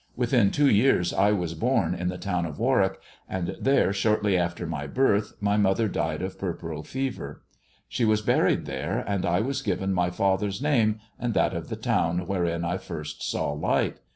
"Within two years I was born in the town of Warwick, and there, shortly after my birth, my mother died of puerperal fever. She was buried there, and I was given my father's name and that of the town wherein 72 THE dwarf's chamber I first sdw light.